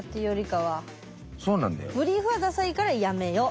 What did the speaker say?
ブリーフはダサいからやめよう。